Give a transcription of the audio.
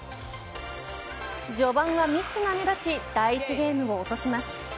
序盤はミスが目立ち第１ゲームを落とします。